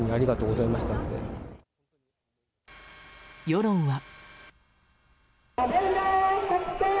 世論は。